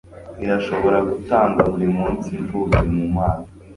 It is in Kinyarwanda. irashobora gutanga, burimunsi imfubyi mumazi